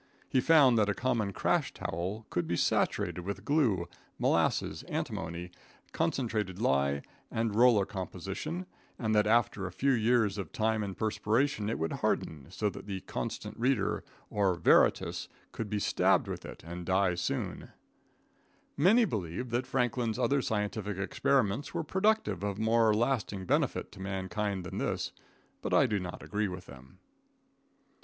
He found that a common crash towel could be saturated with glue, molasses, antimony, concentrated lye, and roller composition, and that after a few years of time and perspiration it would harden so that the "Constant Reader" or "Veritas" could be stabbed with it and die soon. [Illustration: A DEADLY ONSLAUGHT.] Many believe that Franklin's other scientific experiments were productive of more lasting benefit to mankind than this, but I do not agree with them.